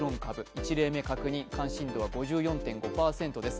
１例目確認、関心度は５４．５％です。